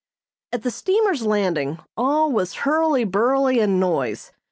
] At the steamer's landing all was hurly burly and noise.